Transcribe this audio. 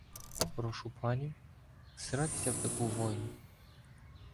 — Прошу панів — всратися в таку войну!.